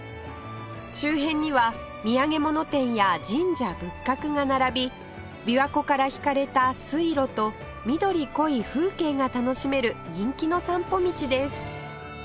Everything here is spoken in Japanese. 周辺には土産物店や神社仏閣が並び琵琶湖から引かれた水路と緑濃い風景が楽しめる人気の散歩道です